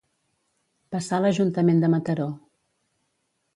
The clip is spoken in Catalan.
Passar l'Ajuntament de Mataró.